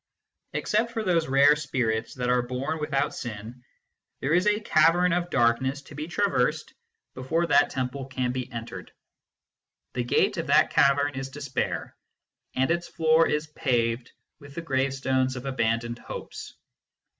Except for those rare spirits that are born without sin, there is a cavern of darkness to be traversed before that A FREE MAN S WORSHIP 53 temple can be entered. The gate of the cavern is despair, and its floor is paved with the gravestones of abandoned hopes.